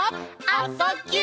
「あ・そ・ぎゅ」